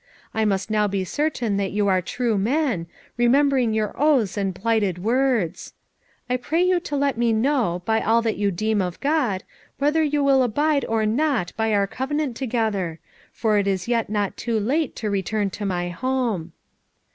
I must now be certain that you are true men, remembering your oaths and plighted words. I pray you to let me know, by all that you deem of God, whether you will abide or not by our covenant together; for it is yet not too late to return to my home."